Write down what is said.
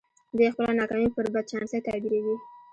دوی خپله ناکامي پر بد چانسۍ تعبيروي.